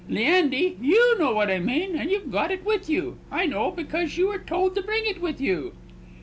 Leandy, you know what I mean; and you've got it with you, I know, because you were told to bring it with you."